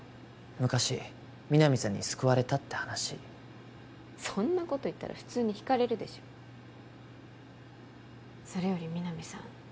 昔皆実さんに救われたって話そんなこと言ったら普通に引かれるでしょそれより皆実さん